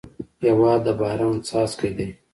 هېواد د باران څاڅکی دی.